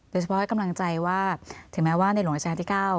โดยเฉพาะให้กำลังใจว่าถึงแม้ว่าในหลวงราชการที่๙